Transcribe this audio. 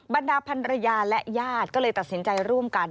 บรรดาพันรยาและญาติก็เลยตัดสินใจร่วมกัน